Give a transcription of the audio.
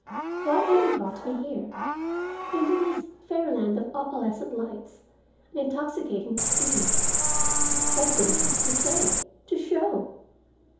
Why had he brought me here, into this fairyland of opalescent lights and intoxicating perfumes? What could he have to say—to show?